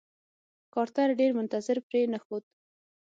کارتر ډېر منتظر پرې نښود.